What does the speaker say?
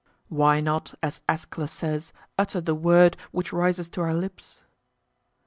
Why not, as Aeschylus says, utter the word which rises to our lips?